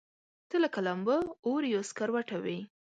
ته لکه لمبه، اور يا سکروټه وې